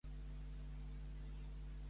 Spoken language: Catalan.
Què va fer el president espanyol?